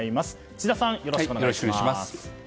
智田さん、よろしくお願いします。